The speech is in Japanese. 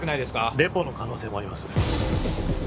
レポの可能性もあります